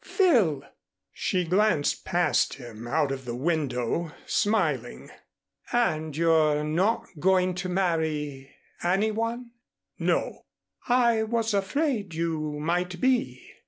"Phil!" She glanced past him out of the window, smiling. "And you're not going to marry any one?" "No." "I was afraid you might be."